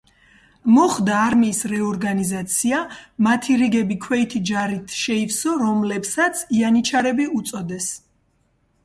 მოხდა არმიის რეორგანიზაცია, მათი რიგები ქვეითი ჯარით შეივსო, რომლებსაც იანიჩარები უწოდეს.